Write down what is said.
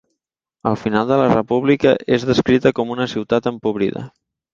Al final de la república és descrita com una ciutat empobrida.